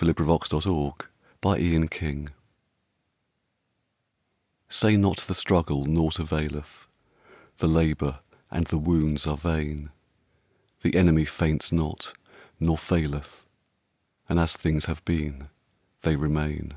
Say Not the Struggle Naught Availeth SAY not the struggle naught availeth, The labour and the wounds are vain, The enemy faints not, nor faileth, And as things have been they remain.